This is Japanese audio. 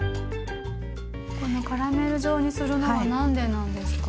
このカラメル状にするのは何でなんですか？